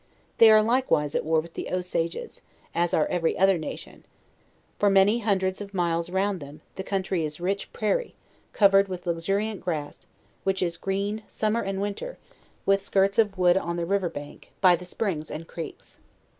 They are likewise at war with the Osages, as are every other nation. For many hundreds of miles round them, the country is rich prairie, covered with luxuriant grass, which is green, summer and winter, with skirts of wood on the river bank, by the springs and creeks.